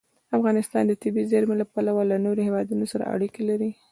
افغانستان د طبیعي زیرمې له پلوه له نورو هېوادونو سره اړیکې لري.